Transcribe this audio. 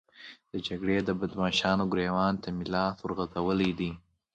د جګړې د بدماشانو ګرېوان ته مې لاس ورغځولی دی.